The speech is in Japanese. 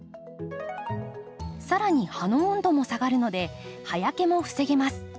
更に葉の温度も下がるので葉焼けも防げます。